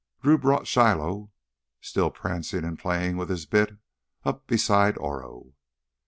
Drew brought Shiloh, still prancing and playing with his bit, up beside Oro.